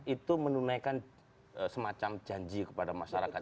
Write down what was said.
itu menunaikan semacam janji kepada masyarakat